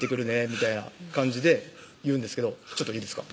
みたいな感じで言うんですけどちょっといいですか？